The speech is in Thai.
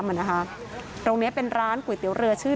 พ่อแม่มาเห็นสภาพศพของลูกร้องไห้กันครับขาดใจ